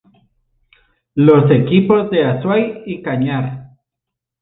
Los equipos de Azuay y Cañar.